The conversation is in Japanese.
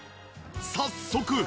早速。